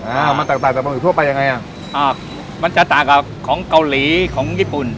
อ่ามันแตกต่างจากบะหุทั่วไปยังไงอ่ะอ่ามันจะต่างกับของเกาหลีของญี่ปุ่น